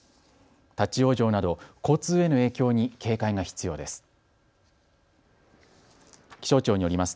立往生など交通への影響に警戒が必要です。